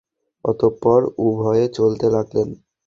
অতঃপর উভয়ে চলতে লাগলেন।